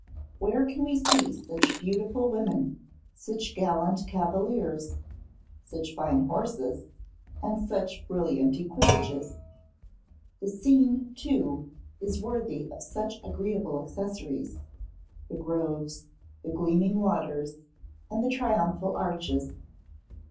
Where can we see such beautiful women, such gallant cavaliers, such fine horses, and such brilliant equipages? The scene, too, is worthy of such agreeable accessories: the groves, the gleaming waters, and the triumphal arches.